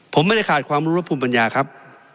ผมไม่ได้ขาดความรู้และภูมิปัญญาครับ